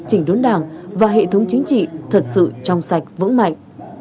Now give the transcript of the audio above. chỉnh đốn đảng và hệ thống chính trị thật sự trong sạch vững mạnh